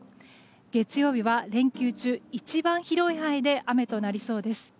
月曜日は連休中、一番広い範囲で雨となりそうです。